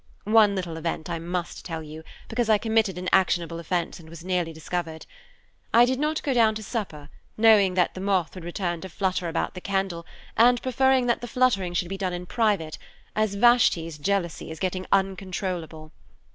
One little event I must tell you, because I committed an actionable offense and was nearly discovered. I did not go down to supper, knowing that the moth would return to flutter about the candle, and preferring that the fluttering should be done in private, as Vashti's jealousy is getting uncontrollable.